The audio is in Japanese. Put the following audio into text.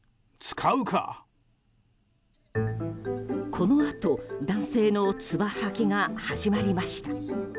このあと男性のつば吐きが始まりました。